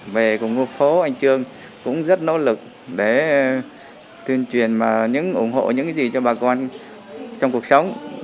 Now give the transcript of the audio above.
về cùng ngôi phố anh trương cũng rất nỗ lực để tuyên truyền và ủng hộ những gì cho bà con trong cuộc sống